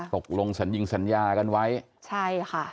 ตกลงสัญญิงสัญญากันไว้ใช่ค่ะ